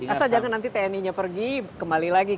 asal jangan nanti tni nya pergi kembali lagi